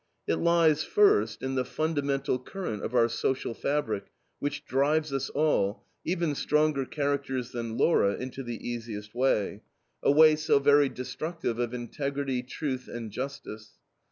It lies, first, in the fundamental current of our social fabric which drives us all, even stronger characters than Laura, into the easiest way a way so very destructive of integrity, truth, and justice.